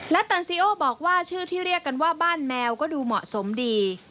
และตันซีโอบอกว่าชื่อที่เรียกกันว่าบ้านแมวก็ดูเหมาะสมดี